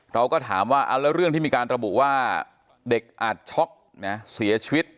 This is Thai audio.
เราก็ถามว่าเอาแล้วเรื่องที่มีการระบุว่าเด็กอาจช็อกนะเสียชีวิต